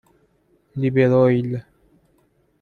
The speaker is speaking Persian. لیبرویل